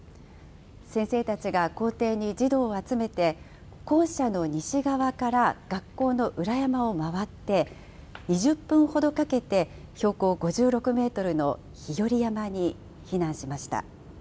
先生たちが校庭に児童を集めて、校舎の西側から学校の裏山を回って、２０分ほどかけて標高５６メートルの日和山に避難しました。